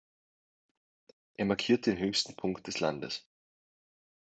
Er markiert den höchsten Punkt des Landes.